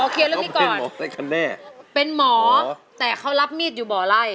เขาเป็นหมอแต่เขารับมีดอยู่บ่อไล่